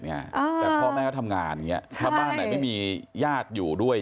แต่พ่อแม่ก็ทำงานถ้าบ้านใหม่มีญาติอยู่ด้วย